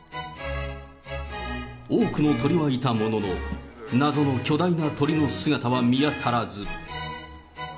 多くの鳥はいたものの、謎の巨大な鳥の姿は見当たらず。